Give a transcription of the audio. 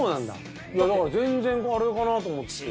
だから全然あれかなと思って。